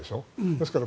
ですから、